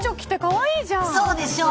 そうでしょう。